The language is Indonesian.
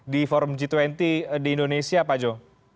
di forum g dua puluh di indonesia pak jo